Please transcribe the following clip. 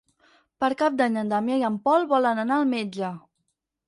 Per Cap d'Any en Damià i en Pol volen anar al metge.